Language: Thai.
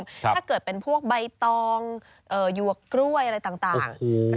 ครับถ้าเกิดเป็นพวกใบตองเอ่อยวกกล้วยอะไรต่างต่างโอ้โห